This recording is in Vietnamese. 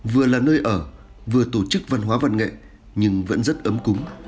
vừa là nơi ở vừa tổ chức văn hóa văn nghệ nhưng vẫn rất ấm cúng